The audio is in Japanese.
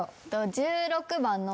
１６番の。